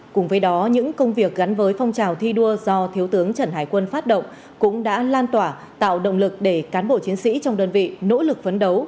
cùng với đó những công việc gắn với phong trào thi đua do thiếu tướng trần hải quân phát động cũng đã lan tỏa tạo động lực để cán bộ chiến sĩ trong đơn vị nỗ lực phấn đấu